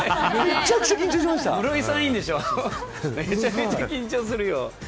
めちゃめちゃ緊張するよ。